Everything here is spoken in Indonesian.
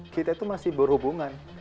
kita itu masih berhubungan